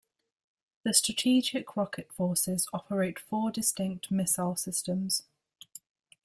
The Strategic Rocket Forces operate four distinct missile systems.